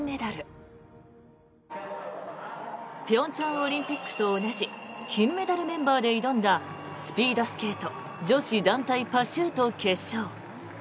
平昌オリンピックと同じ金メダルメンバーで挑んだスピードスケート女子団体パシュート決勝。